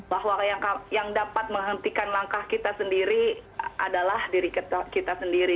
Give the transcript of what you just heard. bahwa yang dapat menghentikan langkah kita sendiri adalah diri kita sendiri